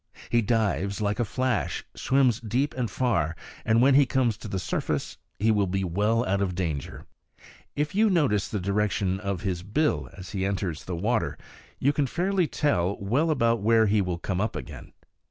He dives like a flash, swims deep and far, and when he comes to the surface will be well out of danger. If you notice the direction of his bill as it enters the water, you can tell fairly well about where he will come up again.